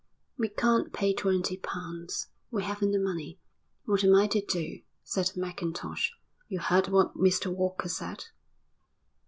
"We can't pay twenty pounds. We haven't the money." "What am I to do?" said Mackintosh. "You heard what Mr Walker said."